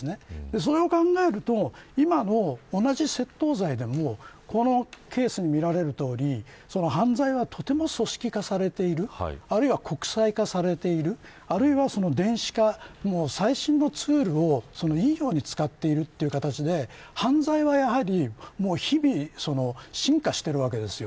それを考えると今の同じ窃盗罪でもこのケースに見られるとおり犯罪は、とても組織化されているあるいは国際化されているあるいは電子化最新のツールをいいように使っているという形で犯罪はやはり、日々進化しているわけですよ。